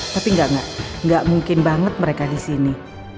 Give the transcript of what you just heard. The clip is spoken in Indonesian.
tapi enggak enggak enggak mungkin banget mereka di sini